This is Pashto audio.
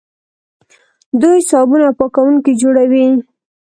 دوی صابون او پاکوونکي جوړوي.